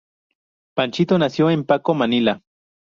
Panchito nació en Paco, Manila.